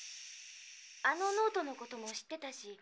あのノートの事も知ってたし。